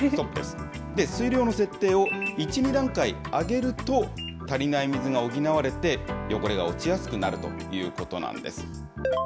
水量の設定を１、２段階上げると、足りない水が補われて、汚れが落ちやすくなるということなんです。